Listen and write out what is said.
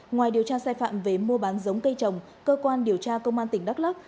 ngoài điều tra sai phạm về mua bán giống cây trồng cơ quan điều tra công an tỉnh đắk lắc